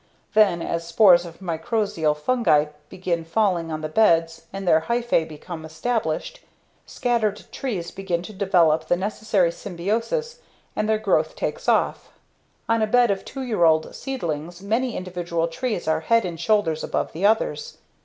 Then, as spores of mycorrhizal fungi begin falling on the bed and their hyphae become established, scattered trees begin to develop the necessary symbiosis and their growth takes off. On a bed of two year old seedlings, many individual trees are head and shoulders above the others.